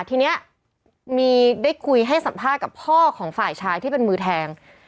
ทีนี้มีได้คุยให้สัมภาษณ์กับพ่อของฝ่ายชายที่เป็นมือแทง